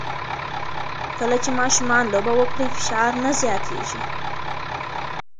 کله چې ماشومان لوبه وکړي، فشار نه زیاتېږي.